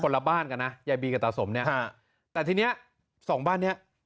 ละบ้านกันนะยายบีกับตาสมเนี่ยฮะแต่ทีเนี้ยสองบ้านเนี้ย